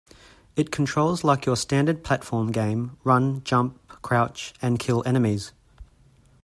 It controls like your standard platform game: run, jump, crouch, and kill enemies.